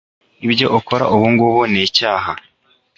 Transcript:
Ibyo ukora ubungubu nicyaha.